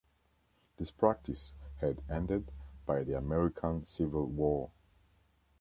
This practice had ended by the American Civil War.